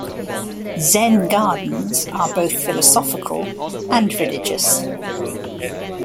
Zen gardens are both philosophical and religious.